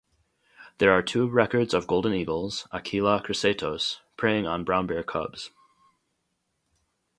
There are two records of golden eagles ("Aquila chrysaetos") preying on brown bear cubs.